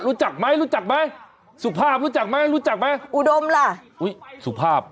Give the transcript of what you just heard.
รู้จักไหมรู้จักไหมสุภาพรู้จักไหมรู้จักไหมอุดมล่ะอุ้ยสุภาพ